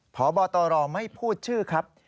พบตรไม่พูดชื่อครับ